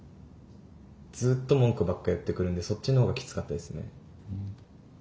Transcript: ずっと文句ばっか言ってくるんでそっちの方がきつかったですね。